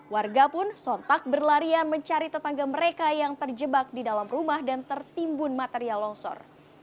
warga pun sontak berlarian mencari tetangga mereka yang terjebak di dalam rumah dan tertimbun material longsor